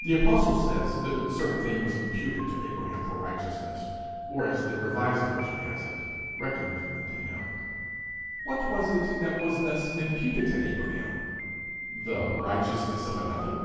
The apostle says that a certain thing was imputed to Abraham for righteousness; or, as the revised version has it, 'reckoned unto him:' what was it that was thus imputed to Abraham? The righteousness of another?